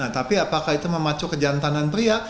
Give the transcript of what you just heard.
tapi apakah itu memacu kejantanan pria